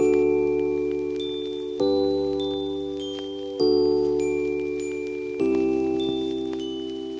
delapan sembilan hingga dua belas jam